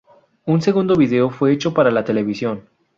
Un segundo vídeo fue hecho para la televisión.